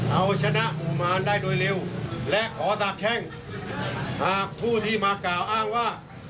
เอาชนะหมู่มารได้โดยเร็วและขอสาบแข้งหากผู้ที่มากล่าวอ้างว่า